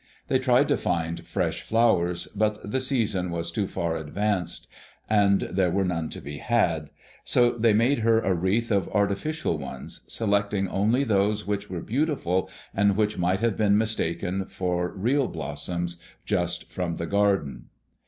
They tried to find fresh flowers, but the season was too far advanced, and there were none to be had; so they made her a wreath of artificial ones, selecting only those which were beautiful and which might have been mistaken for real blossoms just from the garden.